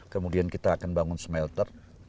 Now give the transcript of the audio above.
kemudian kita akan bangun smelter